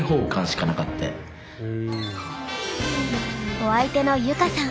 お相手の結香さん。